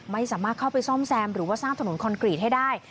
ไม่สามารถเข้าไปซ่อมแซมหรือว่าสร้างถนนคอนกรีตให้ได้